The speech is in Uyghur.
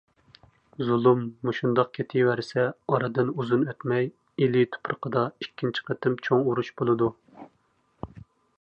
زۇلۇم مۇشۇنداق كېتىۋەرسە ئارىدىن ئۇزۇن ئۆتمەي، ئىلى تۇپرىقىدا ئىككىنچى قېتىم چوڭ ئۇرۇش بولىدۇ.